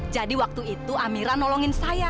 jadi waktu itu amira nolongin saya